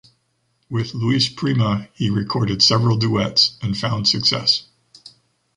With Louis Prima he recorded several duets and found success.